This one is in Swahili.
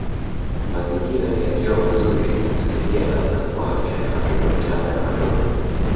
Mazingira yakiwa mazuri husaidia hasa kwa afya ya watoto wachanga na watoto